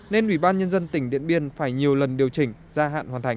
nên ủy ban nhân dân tỉnh điện biên phải nhiều lần điều chỉnh gia hạn hoàn thành